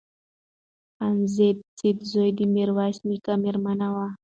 خانزاده سدوزۍ د میرویس نیکه مېرمن وه.